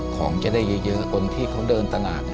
ของจะได้เยอะคนที่เขาเดินตลาด